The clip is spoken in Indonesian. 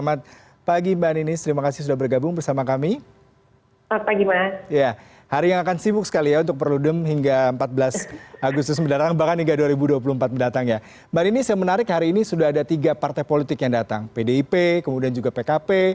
administrasinya terutama untuk partai baru yang akan hadir pada hari ini mbak